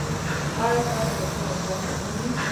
ایا ستاسو کړکۍ به خلاصه نه وي؟